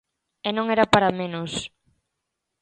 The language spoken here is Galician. E non era para menos.